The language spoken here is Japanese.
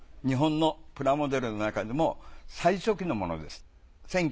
日本のプラモデルのなかでも最初期のものです。